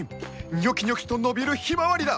ニョキニョキと伸びるヒマワリだ！